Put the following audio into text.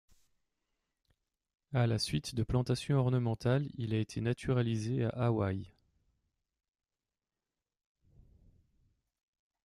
À la suite de plantation ornementale, il a été naturalisé à Hawaii.